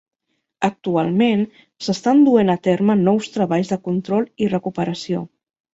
Actualment, s'estan duent a terme nous treballs de control i recuperació.